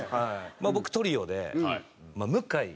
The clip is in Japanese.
まあ僕トリオで向井。